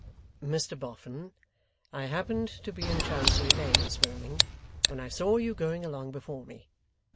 'Mr Boffin, I happened to be in Chancery Lane this morning, when I saw you going along before me.